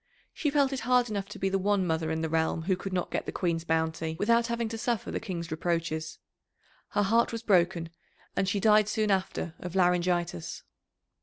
She felt it hard enough to be the one mother in the realm who could not get the Queen's bounty, without having to suffer the King's reproaches. Her heart was broken, and she died soon after of laryngitis.